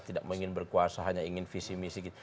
tidak ingin berkuasa hanya ingin visi misi